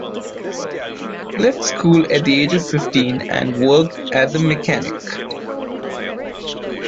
He left school at the age of fifteen and worked as a mechanic.